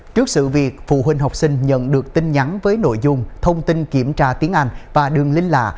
trước sự việc phụ huynh học sinh nhận được tin nhắn với nội dung thông tin kiểm tra tiếng anh và đường linh lạ